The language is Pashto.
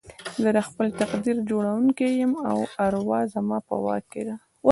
زه د خپل تقدير جوړوونکی يم او اروا زما په واک کې ده.